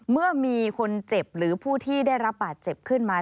เมื่อมีคนเจ็บหรือผู้ที่ได้รับบาดเจ็บขึ้นมา